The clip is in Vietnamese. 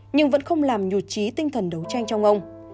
nhưng vẫn không làm nhụt trí tinh thần đấu tranh trong ông